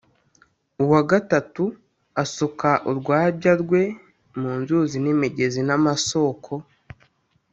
Uwa gatatu asuka urwabya rwe mu nzuzi n’imigezi n’amasoko,